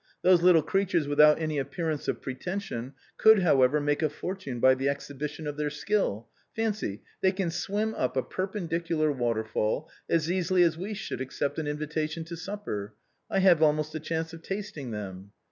Those little creatures, without any appear ance of pretension, could, however, make a fortune by the exhibition of their skill; fancy, they can swim up a per pendicular waterfall as easily as we should accept an in vitation to supper. I have almost had a chance of tast ing them."